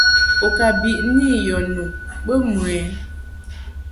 U ka biʼni yɔ nu bə mɨ ɛ?